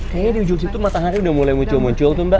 kayaknya di ujung situ matahari sudah mulai muncul